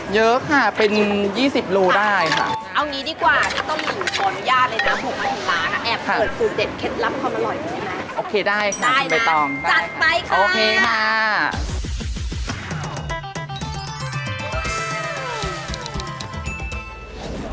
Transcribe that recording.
อยากรู้ว่าวันนี้ใช้ปลาร้าเยอะแค่ไหน